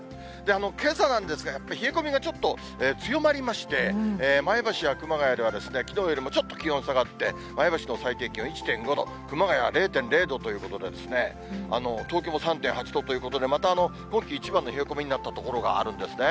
けさなんですが、やっぱり冷え込みがちょっと強まりまして、前橋や熊谷ではきのうよりもちょっと気温下がって、前橋の最低気温１．５度、熊谷は０．０度ということで、東京も３．８度ということで、また今季一番の冷え込みとなった所があるんですね。